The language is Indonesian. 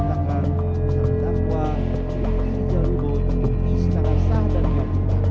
dan mengatakan takwa diri jalibowo itu dikutip secara sah dan nyatakan